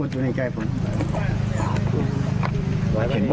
เตรียม